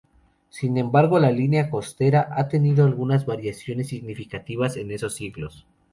Sin embargo la línea costera ha tenido algunas variaciones significativas en esos siglos.